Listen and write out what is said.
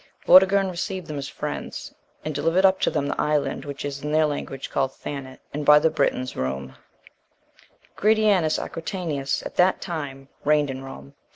Vortigern received them as friends, and delivered up to them the island which is in their language called Thanet, and, by the Britons, Ruym.(2) Gratianus Aequantius at that time reigned in Rome.